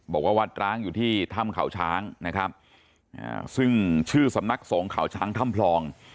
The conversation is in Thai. บอกว่าวัดร้างอยู่ที่ถ้ำข่าวช้างนะครับซึ่งชื่อสำนักส่งข่าวช้างถ้ำพรอง